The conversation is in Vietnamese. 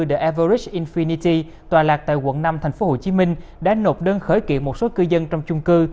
the everric infinity tòa lạc tại quận năm tp hcm đã nộp đơn khởi kiện một số cư dân trong chung cư